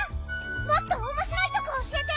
もっとおもしろいとこおしえて！